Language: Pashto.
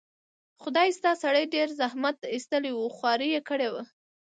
خدای شته، سړي ډېر زحمت ایستلی و، خواري یې کړې وه.